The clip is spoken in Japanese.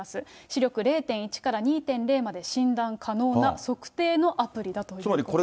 視力０．１から２．０まで診断可能な測定のアプリだということです。